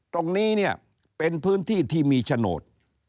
ตรงนี้เนี่ยเป็นพื้นที่ที่มีโฉนด